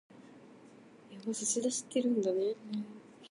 すしだでタイピングする。